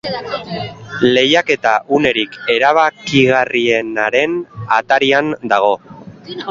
Lehiaketa unerik erabakigarrienaren atarian dago.